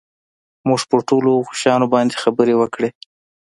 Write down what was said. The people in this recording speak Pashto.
موږ پر ټولو هغو شیانو باندي خبري وکړې.